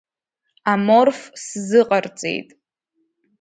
Аморф сзыҟарҵеит.